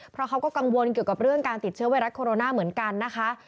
เพราะเขาก็กังวลเกี่ยวกับเรื่องการติดเชื้อไวรัสโคโรนาเหมือนกันนะคะ